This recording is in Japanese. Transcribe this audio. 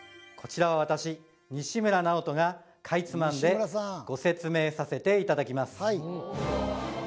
こちらは私西村直人がかいつまんでご説明させていただきます